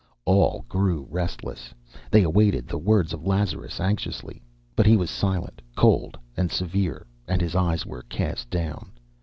All grew restless; they awaited the words of Lazarus anxiously. But he was silent, cold and severe, and his eyes were cast down.